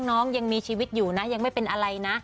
น้องยังมีชีวิตอยู่นะยังไม่เป็นอะไรนะ